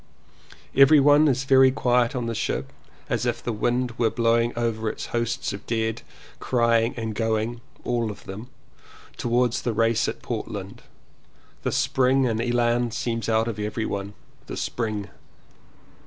"Everyone is very quiet on the ship, as if the wind were blowing over its hosts of dead, crying and going (all of them) towards the race at Portland. The spring and elan seems out of everyone. — the Spring!